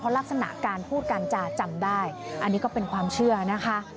ลักษณะการพูดการจาจำได้อันนี้ก็เป็นความเชื่อนะคะ